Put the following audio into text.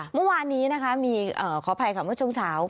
เมื่อวานนี้ขออภัยกับความเจ้าใจ